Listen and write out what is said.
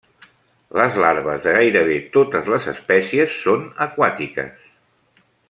Les larves de gairebé totes les espècies són aquàtiques.